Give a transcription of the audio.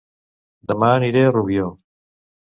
Dema aniré a Rubió